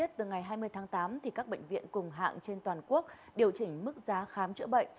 từ ngày hai mươi tháng tám các bệnh viện cùng hạng trên toàn quốc điều chỉnh mức giá khám chữa bệnh